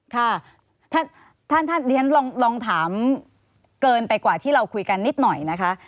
ค่ะท่านเรียนลองถามเกินไปกว่าที่เราคุยกันนิดหน่อยนะคะ